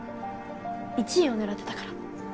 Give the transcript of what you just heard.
１位を狙ってたから